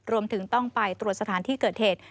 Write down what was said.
รวมถึงต้องไปตรวจสถานที่เกิดเหตุ